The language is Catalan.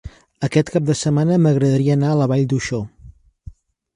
Aquest cap de setmana m'agradaria anar a la Vall d'Uixó.